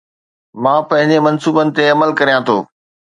مان پنهنجي منصوبن تي عمل ڪريان ٿو